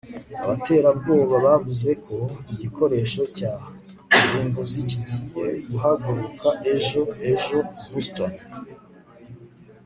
Abaterabwoba bavuze ko igikoresho cya kirimbuzi kigiye guhaguruka ejo ejo i Boston